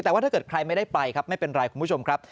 แต่ว่าถ้าเกิดใครไม่ได้ไปครับไม่เป็นไรคุณผู้ชมครับ